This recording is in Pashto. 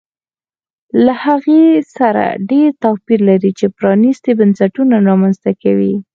له هغې سره ډېر توپیر لري چې پرانیستي بنسټونه رامنځته کوي